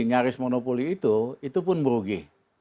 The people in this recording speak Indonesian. nyaris monopoli itu itu pun merugi